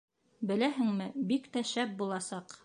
Беләһеңме, бик тә шәп буласаҡ.